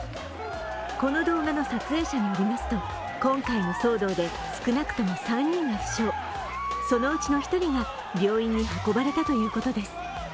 この動画の撮影者によりますと、今回の騒動で少なくとも３人が負傷そのうちの１人が病院に運ばれたということです。